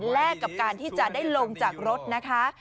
กับการที่จะได้ลงจากรถนะคะ